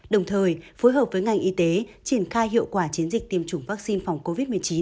đồng thời phối hợp với ngành y tế triển khai hiệu quả chiến dịch tiêm chủng vaccine phòng covid một mươi chín